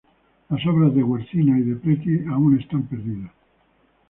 Las obras de Guercino y de Preti aún están perdidas.